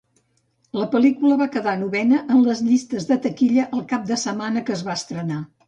La pel·lícula va quedar novena en les llistes de taquilla el cap de setmana que es va estrenar.